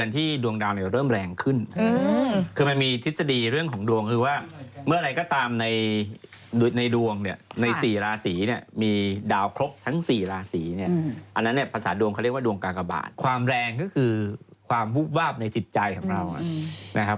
ความแรงก็คือความหุบวาบในติดใจของเรา